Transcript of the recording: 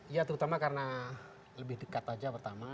ya terutama karena lebih dekat saja pertama